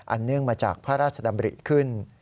เนื่องมาจากพระราชดำริขึ้น